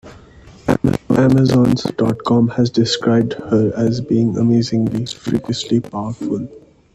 AmazOns dot com has described her as being amazingly, freakishly powerful.